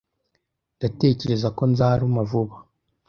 Ndatekereza ko nzaruma vuba.